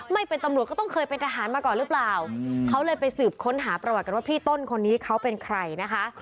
ไม่เป็นตำรวจก็ต้องเคยเป็นทหารมาก่อนหรือเปล่าเขาเลยไปสืบค้นหาประวัติกันว่าพี่ต้นคนนี้เขาเป็นใครนะคะ